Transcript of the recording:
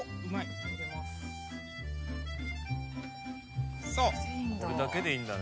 これだけでいいんだね。